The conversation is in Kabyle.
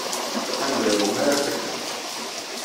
Ad am-d-aruɣ mi ara fakeɣ.